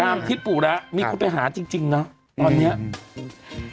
ตามที่ปู่ระมีคนไปหาจริงจริงเนอะตอนเนี้ยอืม